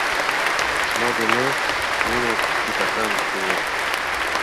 Мо дене нуно титакан улыт?